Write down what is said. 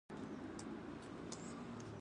شاوخوا نیم ساعت کې یې د ټولو پاسپورټونه راوړل.